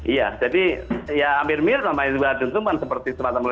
iya jadi ya hampir mirip sama juga dentuman seperti semata mulia